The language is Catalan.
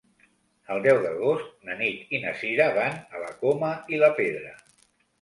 El deu d'agost na Nit i na Sira van a la Coma i la Pedra.